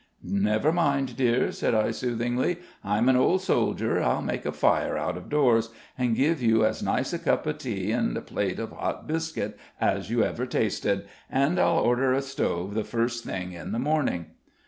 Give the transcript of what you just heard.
"Never mind, dear," said I soothingly; "I'm an old soldier; I'll make a fire out of doors, and give you as nice a cup of tea and plate of hot biscuit as you ever tasted. And I'll order a stove the first thing in the morning."